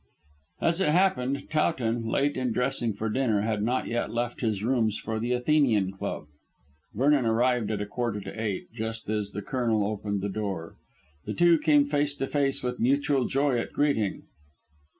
As it happened, Towton, late in dressing for dinner, had not yet left his rooms for the Athenian Club. Vernon arrived at a quarter to eight, just as the Colonel opened the door. The two came face to face with mutual joy at meeting.